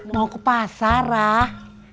mau ke pasar rah